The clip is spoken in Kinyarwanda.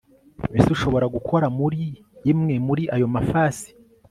ese ushobora gukora muri imwe muri ayo mafasi